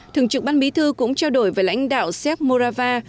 thường trực ban bí thư cũng trao đổi với lãnh đạo xếp morava